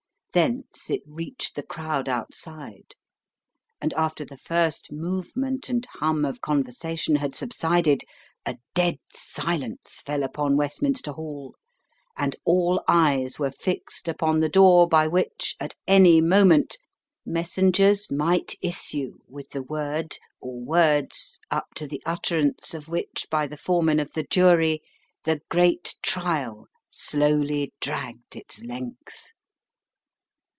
Thence it reached the crowd outside, and after the first movement and hum of conversation had subsided, a dead silence fell upon Westminster Hall, and all eyes were fixed upon the door by which, at any moment, messengers might issue with the word or words up to the utterance of which by the Foreman of the Jury the great trial slowly dragged its length.